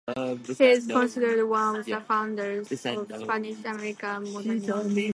He is considered one of the founders of Spanish-American Modernism.